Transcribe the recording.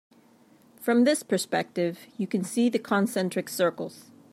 From this perspective you can see the concentric circles.